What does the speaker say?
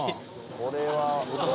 「これは」